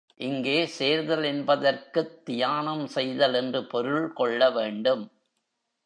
இங்கே, சேர்தல் என்பதற்குத் தியானம் செய்தல் என்று பொருள் கொள்ள வேண்டும்.